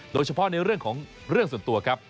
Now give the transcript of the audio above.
โดยเฉพาะในเรื่องของเรื่องส่วนตัวครับ